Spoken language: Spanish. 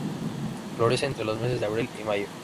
Florece entre los meses de abril y mayo.